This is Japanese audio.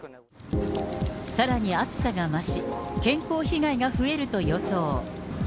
さらに暑さが増し、健康被害が増えると予想。